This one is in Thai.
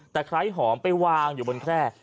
แต่ใครหอมไปวางอยู่บนแคล้